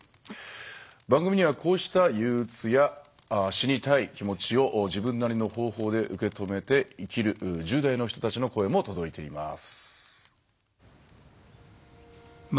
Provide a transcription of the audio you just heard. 番組にはこうしたゆううつや死にたい気持ちを自分なりの方法で受け止めて生きる１０代の人たちの声も届いています。